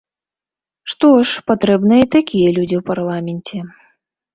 Што ж, патрэбныя і такія людзі ў парламенце!